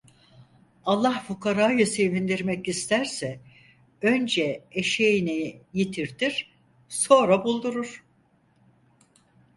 Allah fukarayı sevindirmek isterse önce eşeğini yitirtir, sonra buldurur.